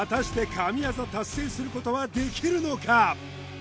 神業達成することはできるのか？